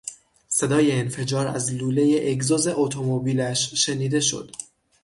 صدای انفجار از لولهی اگزوز اتومبیلش شنیده شد.